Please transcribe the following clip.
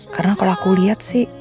karena kalau aku liat sih